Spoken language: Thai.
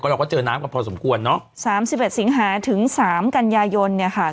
เราก็เจอน้ำกันพอสมควรเนอะสามสิบเอ็ดสิงหาถึงสามกันยายนเนี่ยค่ะ